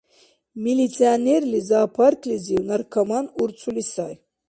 Милиционерли зоопарклизив наркоман урцули сай.